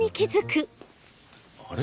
あれ？